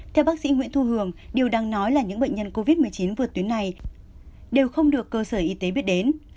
theo bác sĩ nguyễn thu hường điều đang nói là những bệnh nhân covid một mươi chín vượt tuyến này đều không được cơ sở y tế biết đến